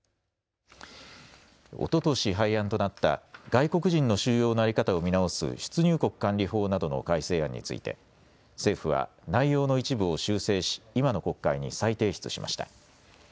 おととし廃案となった外国人の収容の在り方を見直す出入国管理法などの改正案について政府は内容の一部を修正し今の国会に再提出しました。